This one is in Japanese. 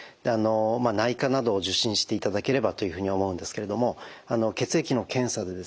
内科などを受診していただければというふうに思うんですけれども血液の検査でですね